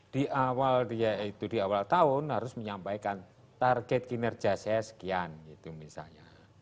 di awal tahun harus menyampaikan target kinerja saya sekian gitu misalnya